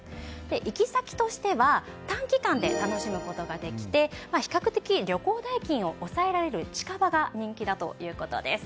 行き先としては短期間で楽しむことができて比較的旅行代金を抑えられる近場が人気だということです。